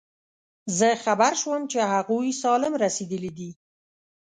زه خبر شوم چې هغوی سالم رسېدلي دي.